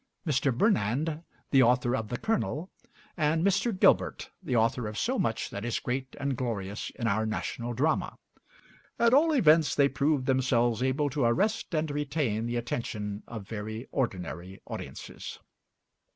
Mr. Burnand, the author of 'The Colonel,' and Mr. Gilbert, the author of so much that is great and glorious in our national drama; at all events they proved themselves able to arrest and retain the attention of very ordinary audiences.